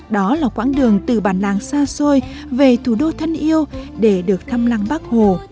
đó là quãng đường từ bản làng xa xôi về thủ đô thân yêu để được thăm lăng bác hồ